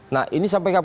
nah ini sampai kapan